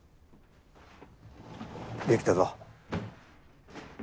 できたぞ。